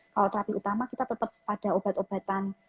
kalau terapi utama kita tetap pada obat obatan